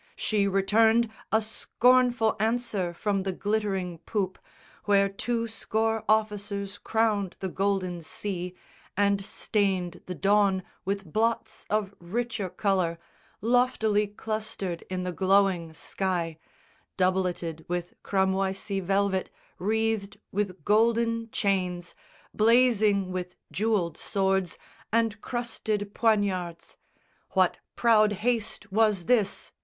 She returned A scornful answer from the glittering poop Where two score officers crowned the golden sea And stained the dawn with blots of richer colour Loftily clustered in the glowing sky, Doubleted with cramoisy velvet, wreathed With golden chains, blazing with jewelled swords And crusted poignards. "What proud haste was this?"